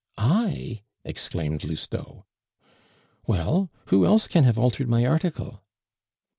"I?" exclaimed Lousteau. "Well, who else can have altered my article?"